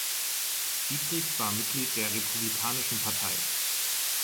Dietrich war Mitglied der Republikanischen Partei.